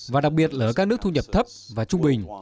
và đặc biệt là ở các nước thu nhập thấp và trung bình